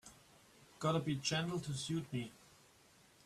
Gotta be gentle to suit me.